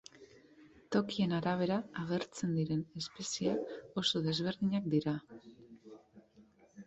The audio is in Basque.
Tokien arabera agertzen diren espezieak oso desberdinak dira.